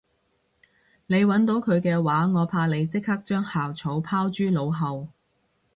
你搵到佢嘅話我怕你即刻將校草拋諸腦後